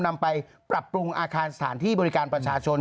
นำไปปรับปรุงอาคารสถานที่บริการประชาชน